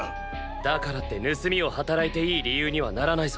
だからって盗みを働いていい理由にはならないぞ。